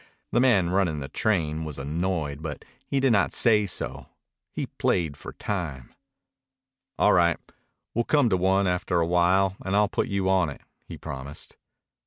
The man running the train was annoyed, but he did not say so. He played for time. "All right. We'll come to one after a while and I'll put you on it," he promised.